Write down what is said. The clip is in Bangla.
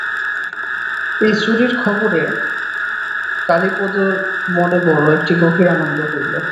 এই চুরির খবরে কালীপদর মনে বড়ো একটি গভীর আনন্দ হইল।